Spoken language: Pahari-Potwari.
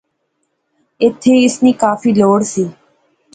ایتھیں اس نی کافی لوڑ سی